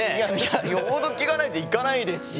よほど気がないと行かないですし